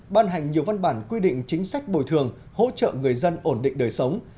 ban hành nhiều văn bản quy định chính sách bồi thường hỗ trợ người dân ổn định đời sống